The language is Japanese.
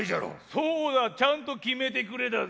そうだちゃんと決めてくれだぜ。